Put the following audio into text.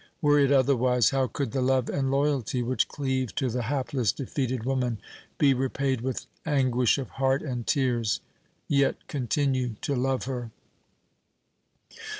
Were it otherwise, how could the love and loyalty which cleave to the hapless, defeated woman, be repaid with anguish of heart and tears? Yet continue to love her."